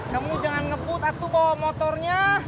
kamu jangan ngeput atuh bawa motornya